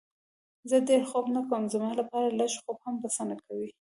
زه ډېر خوب نه کوم، زما لپاره لږ خوب هم بسنه کوي.